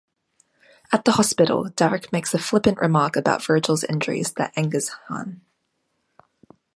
At the hospital, Daric makes a flippant remark about Virgil's injuries that angers Han.